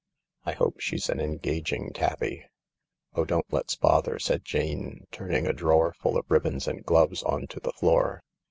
I hope she's an engaging tabby." "Oh, don't let's bother," said Jane, turning a drawer full of ribbons and gloves on to the floor.